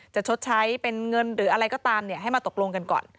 ชดใช้เป็นเงินหรืออะไรก็ตามให้มาตกลงกันก่อน